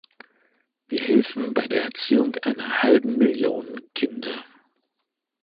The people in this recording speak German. Wir helfen bei der Erziehung einer halben Million Kinder.